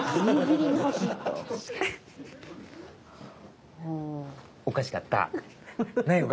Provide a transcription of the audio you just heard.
何がおかしかった？